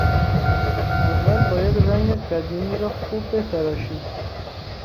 اول باید رنگ قدیمی را خوب بتراشی.